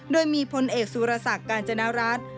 โดยมีพลเอกสจุฬสักษ์กัญจนรัฐ